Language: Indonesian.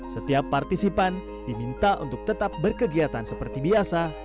setiap partisipan diminta untuk tetap berkegiatan seperti biasa